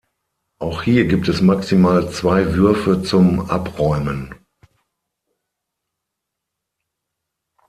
Auch hier gibt es maximal zwei Würfe zum "Abräumen".